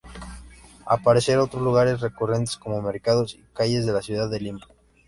Aparecen otros lugares recurrentes, como mercados y calles de la ciudad de Lima.